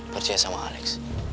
percaya sama alex